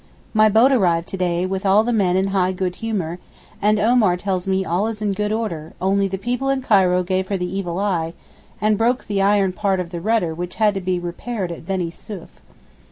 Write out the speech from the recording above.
My boat arrived to day, with all the men in high good humour, and Omar tells me all is in good order, only the people in Cairo gave her the evil eye, and broke the iron part of the rudder which had to be repaired at Benisouef.